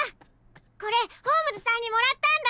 これホームズさんにもらったんだ。